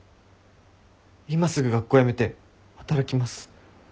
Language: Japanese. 今すぐ学校辞めて働きます。